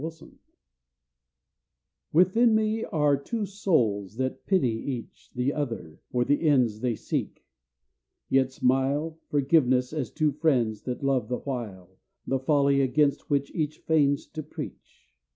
DUALITY Within me are two souls that pity each The other for the ends they seek, yet smile Forgiveness, as two friends that love the while The folly against which each feigns to preach.